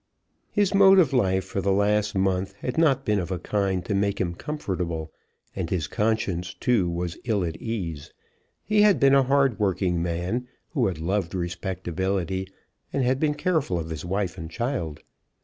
His mode of life for the last month had not been of a kind to make him comfortable, and his conscience, too, was ill at ease. He had been a hard working man, who had loved respectability and been careful of his wife and child.